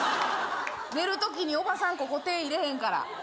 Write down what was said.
寝るときにおばさんここ手ぇ入れへんから。